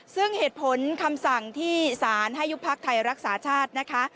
ซึ่งเหตุผลคำสั่งที่สารให้ยุบพักไทยรักษาชาตินะคะ